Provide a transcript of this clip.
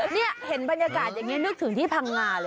นี่เห็นบรรยากาศอย่างนี้นึกถึงที่พังงาเลย